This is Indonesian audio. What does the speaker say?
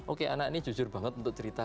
oke anak ini jujur banget untuk cerita